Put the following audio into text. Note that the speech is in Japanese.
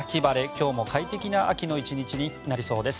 今日も快適な秋の１日になりそうです。